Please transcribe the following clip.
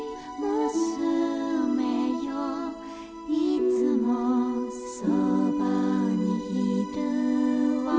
「いつもそばにいるわ」